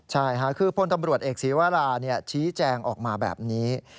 ใช่ค่ะคือพลตำรวจเอกศีวราชี้แจงออกมาแบบนี้